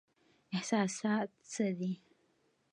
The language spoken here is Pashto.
احساسات څه دي؟